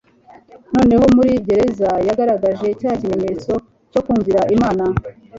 None muri gereza yagaragaje cya kimenyetso cyo kumvira Imana,